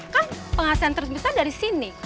kan penghasilan terbesar dari sini